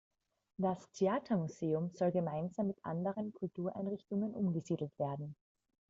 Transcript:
Das Theatermuseum soll gemeinsam mit anderen Kultureinrichtungen umgesiedelt werden.